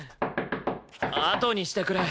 あとにしてくれ。